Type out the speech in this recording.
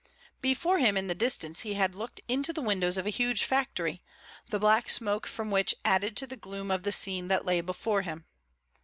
Before him in the distance he had looked into the windows of a huge factory, the black smoke from which added to the gloom of the scene that lay before him.